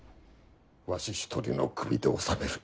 わし一人の首で収める。